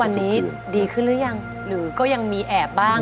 ตอนนี้ดีขึ้นหรือยังหรือก็ยังมีแอบบ้าง